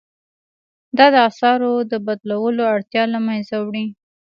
دا د اسعارو د بدلولو اړتیا له مینځه وړي.